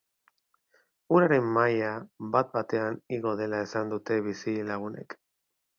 Uraren maila bat-batean igo dela esan dute bizilagunek.